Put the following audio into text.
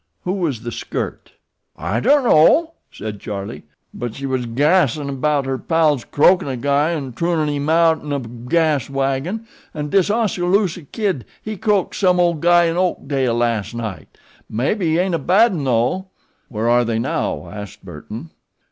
"Who was the skirt?" "I dunno," said Charlie; "but she was gassin' 'bout her pals croakin' a guy an' turnin' 'im outten a gas wagon, an' dis Oskaloosa Kid he croaks some old guy in Oakdale las' night. Mebby he ain't a bad 'un though!" "Where are they now?" asked Burton.